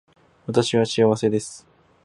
私は幸せです